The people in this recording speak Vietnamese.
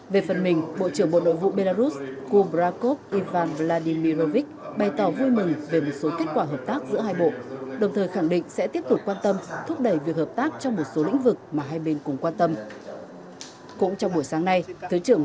về phần mình bộ trưởng bộ nội vụ belarus kubrakov ivan vladimirovich bày tỏ vui mừng về một số kết quả hợp tác giữa hai bộ đồng thời khẳng định sẽ tiếp tục quan tâm thúc đẩy việc hợp tác trong một số lĩnh vực mà hai bên cùng quan tâm